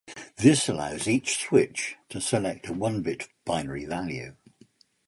This allows each switch to select a one-bit binary value.